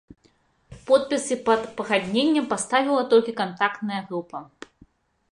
Подпісы пад пагадненнем паставіла толькі кантактная група.